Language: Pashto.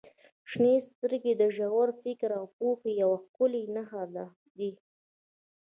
• شنې سترګې د ژور فکر او پوهې یوه ښکلې نښه دي.